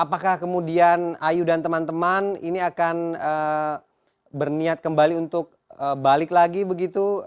apakah kemudian ayu dan teman teman ini akan berniat kembali untuk balik lagi begitu